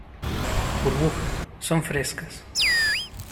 burbuja, son frescas.